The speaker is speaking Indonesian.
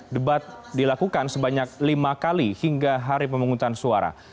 debat dilakukan sebanyak lima kali hingga hari pemungutan suara